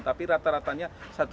tapi rata ratanya satu tujuh